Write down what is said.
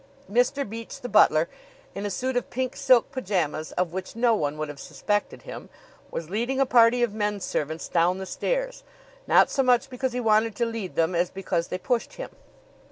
Mr. Beach, the butler, in a suit of pink silk pajamas, of which no one would have suspected him, was leading a party of men servants down the stairs not so much because he wanted to lead them as because they pushed him.